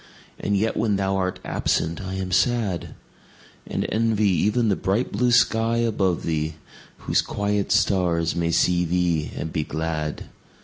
And yet when thou art absent I am sad; And envy even the bright blue sky above thee, Whose quiet stars may see thee and be glad.